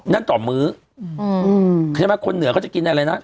นั่นต่อมื้อคนเหนือค่อนหลังเนื้อเขาจะกินอะไรนะ